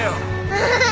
アハハハ